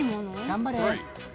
頑張れ。